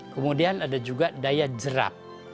kemudian ada juga daya jerak